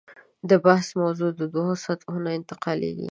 د بحث موضوع دوو سطحو ته انتقالېږي.